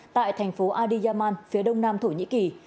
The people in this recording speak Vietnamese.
tại thành phố adiyaman phía đông nam thổ nhĩ kỳ